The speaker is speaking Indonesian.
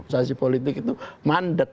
dan politik itu mandek